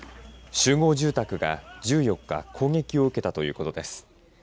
集合住宅が１４日攻撃を受けたということです。